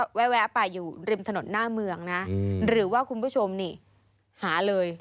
ก็แวะไปอยู่ริมถนนหน้าเมืองนะหรือว่าคุณผู้ชมนี่หาเลย